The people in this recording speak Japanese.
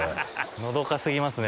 のどか過ぎますね